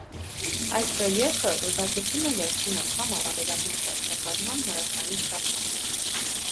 Այս ռելիեֆը ուրվագծում է վերջին անգամ առավելագույն սառցակալման հարավային սահմանը։